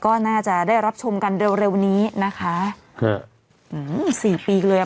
ก็น่าจะได้รับชมกันเร็วเร็วนี้นะคะอืมสี่ปีกันเลยอ่ะ